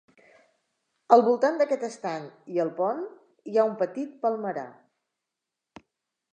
Al voltant d'aquest estany i el pont, hi ha un petit palmerar.